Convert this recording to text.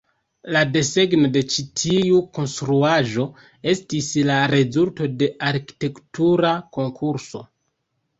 La desegno de ĉi tiu konstruaĵo estis la rezulto de arkitektura konkurso.